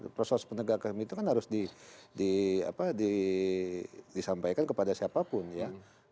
proses penegakan itu kan harus disampaikan kepada siapapun ya